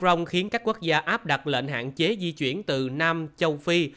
phát hiện omicron khiến các quốc gia áp đặt lệnh hạn chế di chuyển từ nam châu phi